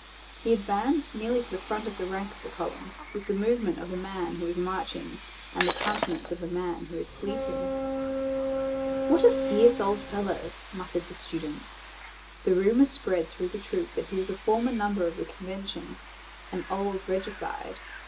He advanced nearly to the front rank of the column, with the movement of a man who is marching and the countenance of a man who is sleeping. "What a fierce old fellow!" muttered the students. The rumor spread through the troop that he was a former member of the Convention,—an old regicide.